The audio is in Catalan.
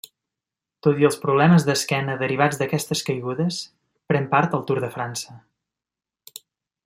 Tot i els problemes d'esquena derivats d'aquestes caigudes pren part al Tour de França.